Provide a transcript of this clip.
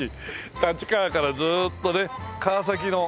立川からずーっとね川崎の中で。